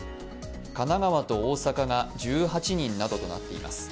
神奈川と大阪が１８人などとなっています。